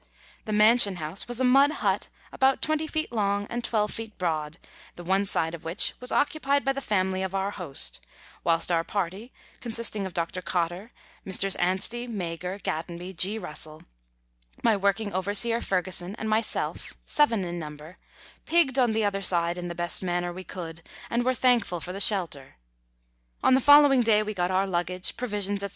The Mansion House was a mud hut about 20 feet long and 12 feet broad, the one side of which was occupied by the family of our host, whilst our party, consisting of Dr. Cotter, Messrs. Anstey, Mager, Gatenby, G. Russell, my working Letters from Victorian Pioneers. 13 overseer Fergusson, and myself, seven in number, pigged on the other side in the best manner we could, and were thankful for the shelter. On the following day we got our luggage, provisions, &c.